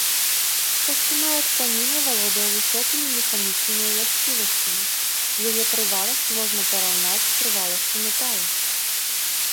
Касцяная тканіна валодае высокімі механічнымі ўласцівасцямі, яе трываласць можна параўнаць з трываласцю металу.